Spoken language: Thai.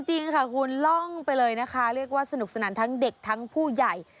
จริงค่ะคุณล่องไปเลยนะคะเรียกว่าสนุกสนานทั้งเด็กทั้งผู้ใหญ่